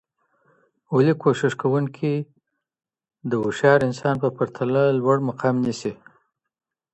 ولي کوښښ کوونکی د هوښیار انسان په پرتله لوړ مقام نیسي؟